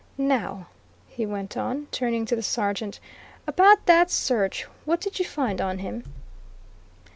Now," he went on, turning to the sergeant, "about that search? What did you find on him?"